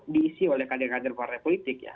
diisi oleh kader kader partai politik ya